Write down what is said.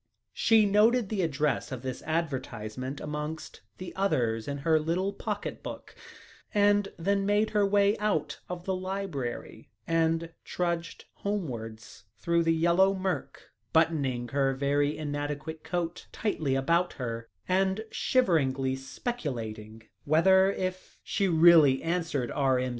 She noted the address of this advertisement amongst the others in her little pocket book, and then made her way out of the library and trudged homewards through the yellow murk, buttoning her very inadequate coat tightly about her and shiveringly speculating whether, if she really answered R.M.'